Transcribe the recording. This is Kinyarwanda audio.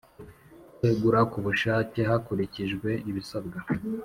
K wegura ku bushake hakurikijwe ibisabwa